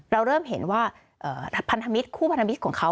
เราเริ่มเห็นว่าพันธมิตรคู่พันธมิตรของเขา